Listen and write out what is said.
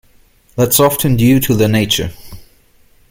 That's often due to their nature.